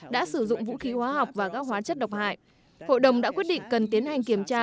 đã sử dụng vũ khí hóa học và các hóa chất độc hại hội đồng đã quyết định cần tiến hành kiểm tra